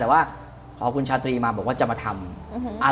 แต่ว่าพอคุณชาตรีมาบอกว่าจะมาทำ